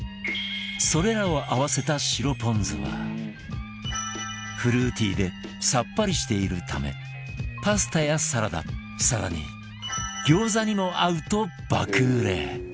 それらを合わせた白ぽん酢はフルーティーでさっぱりしているためパスタやサラダ更に餃子にも合うと爆売れ